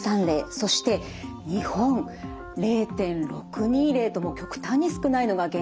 そして日本０．６２例ともう極端に少ないのが現状なんです。